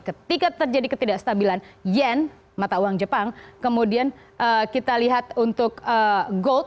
ketika terjadi ketidakstabilan yen mata uang jepang kemudian kita lihat untuk gold